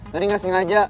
tadi gak sengaja